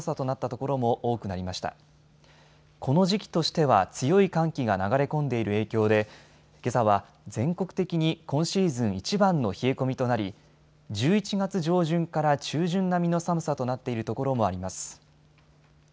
この時期としては強い寒気が流れ込んでいる影響でけさは全国的に今シーズンいちばんの冷え込みとなり１１月上旬から中旬並みの寒さとなっているところもあります。